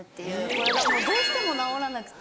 これがもうどうしても直らなくて。